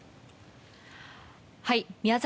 宮崎